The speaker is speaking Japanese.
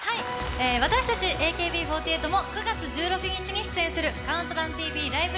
私たちＡＫＢ４８も９月１６日に出演する「ＣＤＴＶライブ！